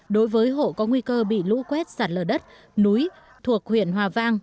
đối với hộ có nguy cơ bị lũ quét sạt lở đất núi thuộc huyện hòa vang